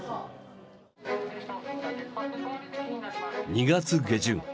２月下旬